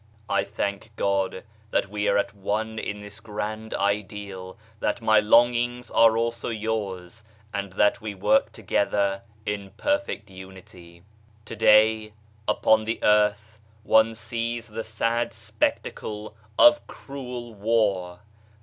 I thank God that we are at one in this grand ideal, that my longings are also yours and that we work together in perfect unity. To day, upon the earth, one sees the sad spectacle of cruel war